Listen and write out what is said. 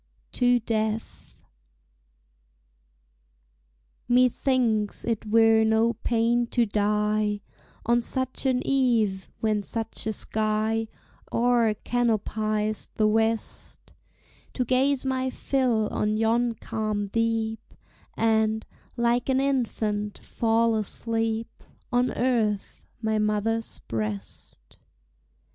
TO DEATH. Methinks it were no pain to die On such an eve, when such a sky O'er canopies the west; To gaze my fill on yon calm deep, And, like an infant, fall asleep On Earth, my mother's breast.